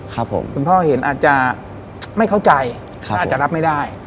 ครับผมคุณพ่อเห็นอาจจะไม่เข้าใจอาจจะรับไม่ได้